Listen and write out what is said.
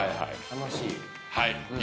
楽しい。